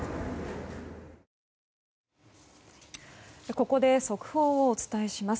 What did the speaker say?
ここで速報をお伝えします。